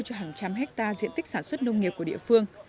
cho hàng trăm hectare diện tích sản xuất nông nghiệp của địa phương